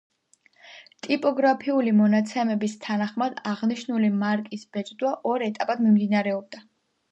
ტიპოგრაფიული მონაცემების თანახმად, აღნიშნული მარკის ბეჭდვა ორ ეტაპად მიმდინარეობდა.